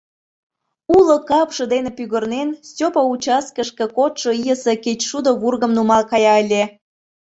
Уло капше дене пӱгырнен, Стёпа участкышке кодшо ийысе кечшудо вургым нумал кая ыле.